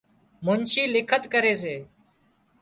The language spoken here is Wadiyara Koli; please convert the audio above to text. منڇي لکت ڪري سي